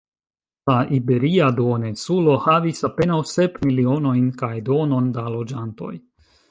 La Iberia Duoninsulo havis apenaŭ sep milionojn kaj duonon da loĝantoj.